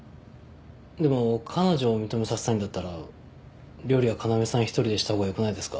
でも彼女を認めさせたいんだったら料理は要さん１人でしたほうが良くないですか？